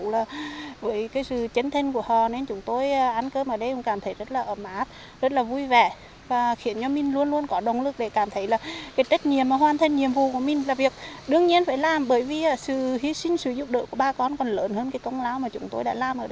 là việc đương nhiên phải làm bởi vì sự hi sinh sự giúp đỡ của ba con còn lớn hơn công lao mà chúng tôi đã làm ở đây